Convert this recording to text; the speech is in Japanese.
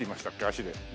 足で。